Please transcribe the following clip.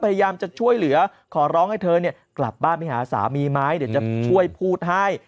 พยายามจะช่วยเหลือขอร้องให้เธอกลับบ้านไปหาสามีไหมเดี๋ยวจะช่วยพูดให้